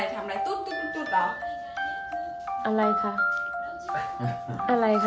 ใครจะมาโรงพยาบาลมาเลยค่ะ